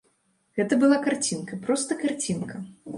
Гэта была карцінка, проста карцінка.